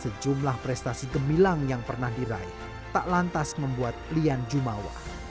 sejumlah prestasi gemilang yang pernah diraih tak lantas membuat lian jumawa